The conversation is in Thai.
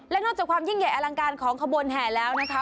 และนอกจากความยิ่งใหญ่อลังการของขบวนแห่แล้วนะคะ